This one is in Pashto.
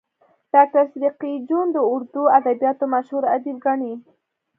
ډاکټر صدیقي جون د اردو ادبياتو مشهور ادیب ګڼي